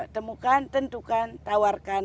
temukan tentukan tawarkan